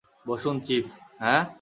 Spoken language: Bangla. বসুন, চিফ।